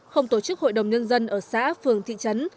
không tổ chức hội đồng nhân dân ở xã phường thị trấn